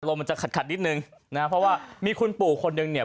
มันจะขัดขัดนิดนึงนะฮะเพราะว่ามีคุณปู่คนนึงเนี่ย